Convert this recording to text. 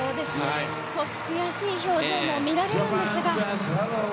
少し悔しい表情も見られるんですが。